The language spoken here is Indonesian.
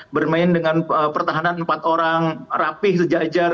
bermain dengan pertahanan empat orang rapih sejajar